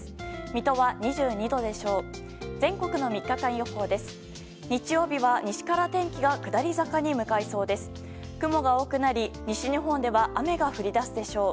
水戸は２２度でしょう。